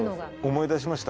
思い出しました？